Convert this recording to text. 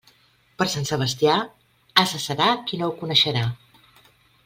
Per Sant Sebastià, ase serà qui no ho coneixerà.